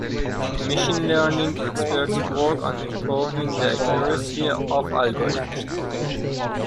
Machine Learning experts work on improving the accuracy of algorithms.